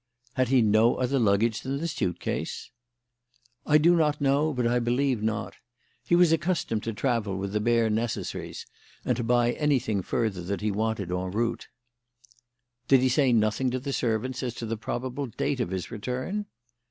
"Had he no other luggage than the suit case?" "I do not know, but I believe not. He was accustomed to travel with the bare necessaries, and to buy anything further that he wanted en route." "Did he say nothing to the servants as to the probable date of his return?"